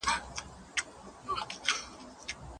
ساعت به خپل ارزښت نه وي بايللی.